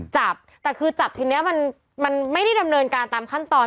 จับแต่คือจับทีนี้มันไม่ได้ดำเนินการตามขั้นตอน